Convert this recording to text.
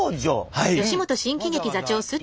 はい。